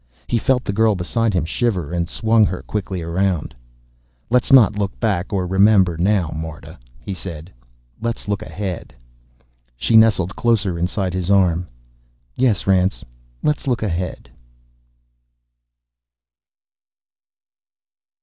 He felt the girl beside him shiver, and swung her quickly around. "Let's not look back or remember now, Marta!" he said. "Let's look ahead." She nestled closer inside his arm. "Yes, Rance. Let's look ahead."